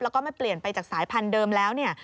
แล้วก็ไม่เปลี่ยนไปจากสายพันธุ์เดิมแล้วเนี่ย